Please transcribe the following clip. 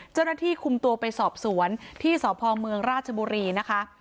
เจ้าหน้าที่คุมตัวไปสอบสวนที่สพเมืองราชบุรีนะคะ